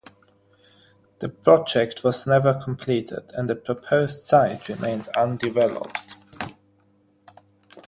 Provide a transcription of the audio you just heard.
The project was never completed and the proposed site remains undeveloped.